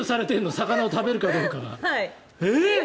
魚を食べるかどうかが。